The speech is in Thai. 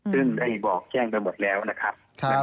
ซึ่งได้บอกแจ้งไปหมดแล้วนะครับ